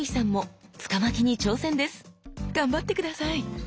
頑張って下さい！